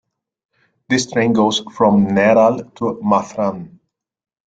This train goes from Neral to Mathran.